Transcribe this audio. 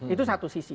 itu satu sisi